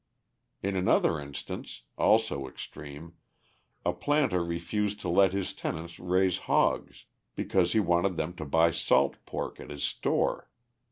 In another instance also extreme a planter refused to let his tenants raise hogs, because he wanted them to buy salt pork at his store.